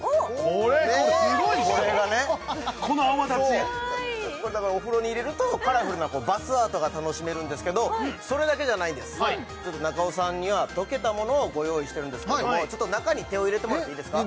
これすごいっしょこの泡立ちだからお風呂に入れるとカラフルなバスアートが楽しめるんですけどそれだけじゃないんです中尾さんには溶けたものをご用意してるんですけども中に手を入れてもらっていいですか？